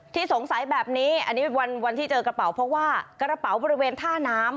สงสัยแบบนี้อันนี้เป็นวันที่เจอกระเป๋าเพราะว่ากระเป๋าบริเวณท่าน้ำ